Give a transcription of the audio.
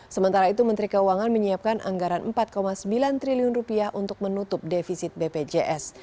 sementara itu menteri keuangan menyiapkan anggaran rp empat sembilan triliun untuk menutup defisit bpjs